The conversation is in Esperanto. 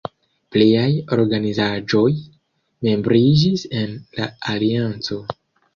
Pliaj organizaĵoj membriĝis en la alianco.